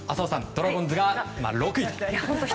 ドラゴンズが６位と。